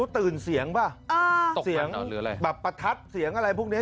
ที่เบิ๊ดคิดว่าอะไรเนี่ยะ